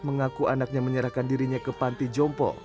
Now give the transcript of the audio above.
mengaku anaknya menyerahkan dirinya ke panti jompo